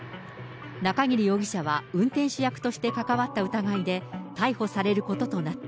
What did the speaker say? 中桐容疑者は、運転手役として関わった疑いで逮捕されることとなった。